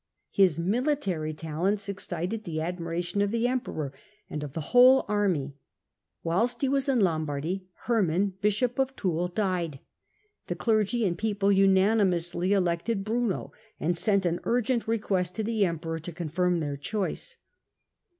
His military talents excited the admiration of the emperor and of the whole army. Whilst he was in Lombardy, Herman, bishop of Toul, died; the clergy and people unanimously elected Bruno, and sent an urgent request to the emperor to confirm their choice.